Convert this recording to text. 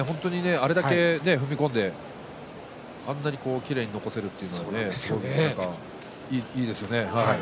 あれだけ踏み込んであんなにきれいに残せるというのはいいですね。